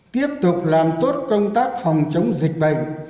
tiếp tục làm tốt công tác phòng chống dịch bệnh